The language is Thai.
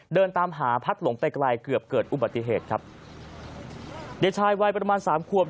เดินตามหาพัดหลงไปไกลเกือบเกิดอุบัติเหตุครับเด็กชายวัยประมาณสามควบ